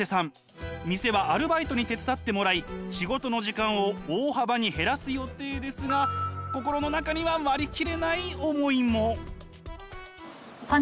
店はアルバイトに手伝ってもらい仕事の時間を大幅に減らす予定ですが心の中にはそっか。